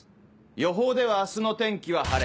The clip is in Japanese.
予報では明日の天気は晴れ。